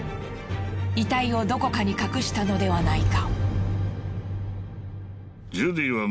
遺体をどこかに隠したのではないか。